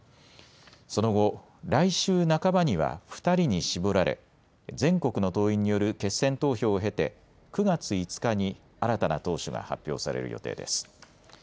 その後、来週半ばには２人に絞られ全国の党員による決選投票を経て９月５日に新たな党首が発表される予定です。